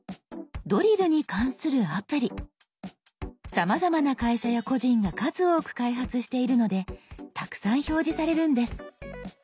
さまざまな会社や個人が数多く開発しているのでたくさん表示されるんです。